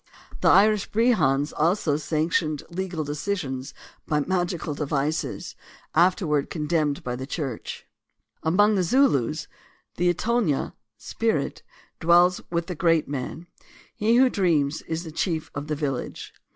The Irish Brehons also sanctioned legal decisions by magical devices, afterward con demned by the Church. Among the Zulus " the Itonyo (spirit) dwells with the great man; he who dreams is the chief of the village."